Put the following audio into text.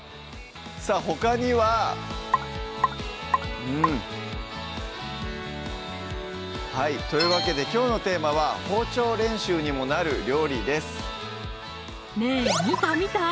さぁほかにはうんはいというわけできょうのテーマは「包丁練習にもなる料理」です